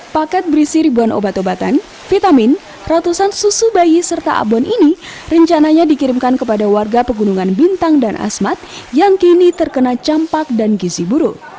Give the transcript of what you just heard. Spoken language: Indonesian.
paket berisi ribuan obat obatan vitamin ratusan susu bayi serta abon ini rencananya dikirimkan kepada warga pegunungan bintang dan asmat yang kini terkena campak dan gizi buruk